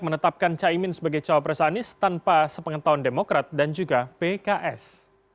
menetapkan caimin sebagai cawapres anies tanpa sepengetahuan demokrat dan juga pks